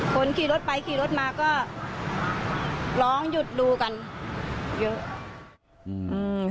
คนขี่รถไปขี่รถมาก็ร้องหยุดดูกันเยอะอืม